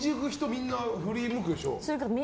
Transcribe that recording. みんな振り向くでしょ？